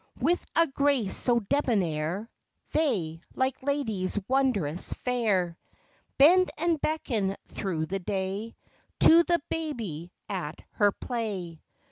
With a grace so debonair They, like ladies wondrous fair, Bend and beckon through the day To the baby at her play.